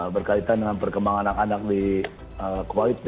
berkaitan dengan perkembangan anak anak di quality